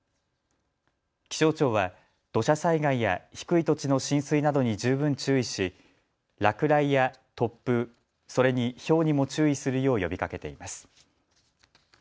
気象庁は土砂災害や低い土地の浸水などに十分注意し落雷や突風、それにひょうにも注意するよう呼びかけています。